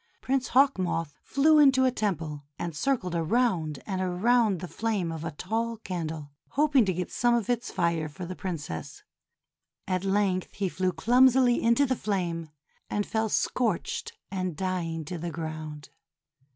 Prince Hawk Moth flew into a temple, and circled around and around the flame of a tall candle, hoping to get some of its fire for the Princess, at length he flew clum sily into the flame, and fell scorched and dying to the ground.